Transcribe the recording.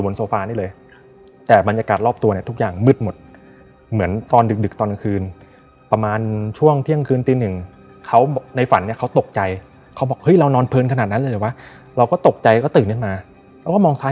เราก็ตกใจนะเราก็ตื่นข้างมา